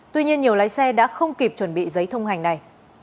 tuy nhiên nhiều lái xe đã không kịp chuẩn bị giấy thông hành này